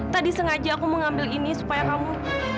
tadi sengaja aku mengambil ini supaya kamu